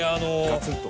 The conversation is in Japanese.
ガツンと。